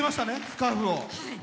スカーフを。